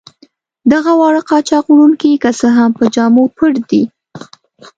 دغه واړه قاچاق وړونکي که څه هم په جامو پټ دي.